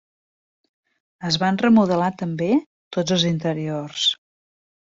Es van remodelar també tots els interiors.